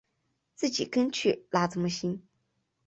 自己跟去那怎么行